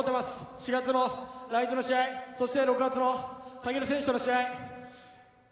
７月の試合、そして６月の武尊選手との試合。